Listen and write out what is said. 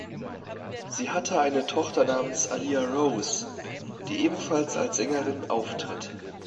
Sie hatte eine Tochter namens Alia Rose, die ebenfalls als Sängerin auftritt.